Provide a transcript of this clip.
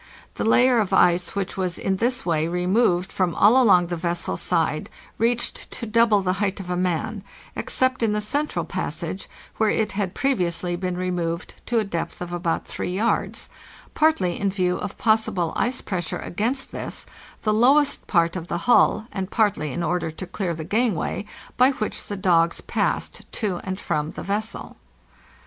The layer of ice which was in this way removed from all along the vessel's side reached to double the height of a man, except in the central passage, where it had previously been removed toa depth of about three yards, partly in view of possible ice press ure against this, the lowest part of the hull, and partly in order to clear the gangway, by which the dogs passed to and from the vessel.